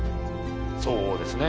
そうですね